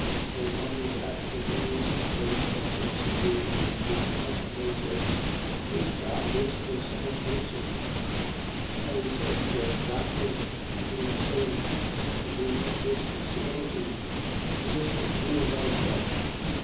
And they wondered at the words of grace that proceeded from his mouth. And they said: Is not this the son of Joseph? 4:23. And he said to them: Doubtless you will say to me this similitude: Physician, heal thyself.